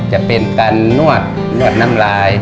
จะเป็นการนวดนวดน้ำลาย